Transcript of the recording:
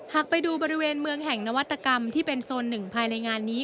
หากไปดูบริเวณเมืองแห่งนวัตกรรมที่เป็นโซนหนึ่งภายในงานนี้